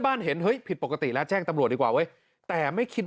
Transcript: เห็นเฮ้ยผิดปกติแล้วแจ้งตำรวจดีกว่าเว้ยแต่ไม่คิด